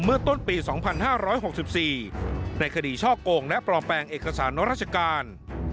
เมื่อต้นปีสองพันห้าร้อยหกสิบสี่ในคดีช่อกโกงและปลอมแปลงเอกสารรัชการ